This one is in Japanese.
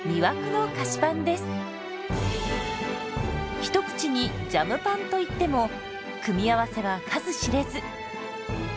一口に「ジャムパン」といっても組み合わせは数知れず。